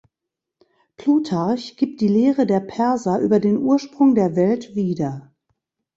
Plutarch gibt die Lehre der Perser über den Ursprung der Welt wieder.